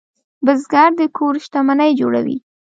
بزګر د کور شتمني جوړوي